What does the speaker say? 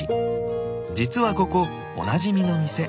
実はここおなじみの店。